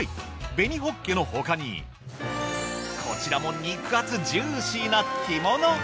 紅ホッケの他にこちらも肉厚ジューシーな干物。